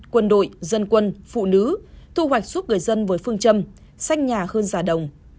quân đội dân quân phụ nữ thu hoạch suốt người dân với phương châm xanh nhà hơn già đồng